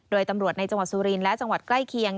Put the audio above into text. โดยตำรวจในจังหวัดสุรินทร์และจังหวัดใกล้เคียง